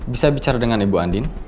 bisa bicara dengan ibu andin